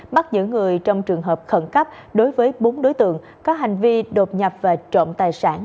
bắt giữ người trong trường hợp khẩn cấp đối với bốn đối tượng có hành vi đột nhập và trộm tài sản